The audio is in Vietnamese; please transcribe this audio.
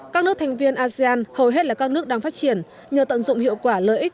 các nước thành viên asean hầu hết là các nước đang phát triển nhờ tận dụng hiệu quả lợi ích